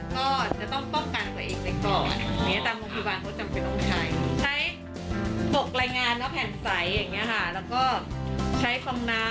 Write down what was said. ก็จะต้องป้องกันตัวเองไปก่อน